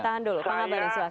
tahan dulu pak ngabalin